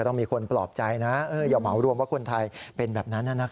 ต้องมีคนปลอบใจนะอย่าเหมารวมว่าคนไทยเป็นแบบนั้น